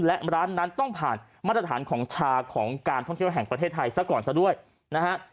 และร้านนั้นต้องผ่านมาตรฐานของชาของการท่องเที่ยวแห่งประเทศไทยซะก่อนซะด้วยนะฮะ